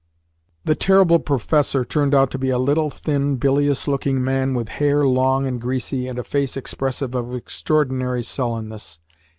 The terrible professor turned out to be a little thin, bilious looking man with hair long and greasy and a face expressive of extraordinary sullenness.